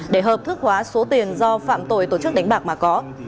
để hợp thức hóa số tiền do phạm tội tổ chức đánh bạc mà có